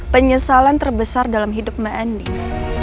penyesalan terbesar dalam hidup mbak andi